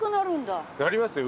なりますよ。